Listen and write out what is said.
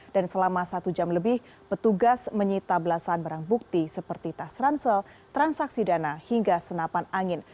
dan selama satu jam lebih petugas menyita belasan barang bukti seperti tas ransel transaksi dana hingga senapan angin